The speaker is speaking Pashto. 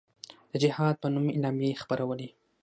د جهاد په نوم اعلامیې خپرولې.